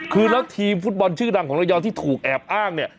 คือแล้วทีมฟุตบอลชื่อดังของระยองที่ถูกแอบอ้างเนี่ย